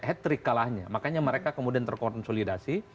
hetrik kalahnya makanya mereka kemudian terkonsolidasi